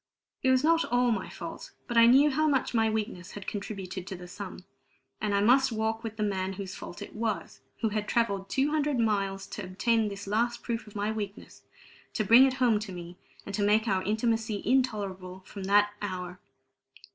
It was not all my fault, but I knew how much my weakness had contributed to the sum. And I must walk with the man whose fault it was, who had travelled two hundred miles to obtain this last proof of my weakness, to bring it home to me, and to make our intimacy intolerable from that hour.